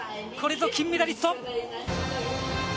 これぞ金メダリスト！